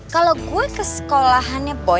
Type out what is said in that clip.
kalo gue ke sekolahannya boy